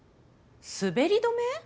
滑り止め？